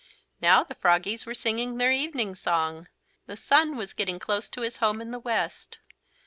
Now the froggies were singing their evening song. The sun was getting close to his home in the west.